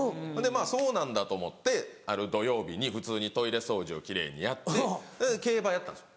そうなんだと思ってある土曜日に普通にトイレ掃除を奇麗にやって競馬やったんです